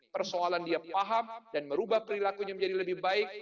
persoalan dia paham dan merubah perilakunya menjadi lebih baik